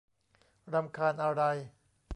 รำคาญอะไร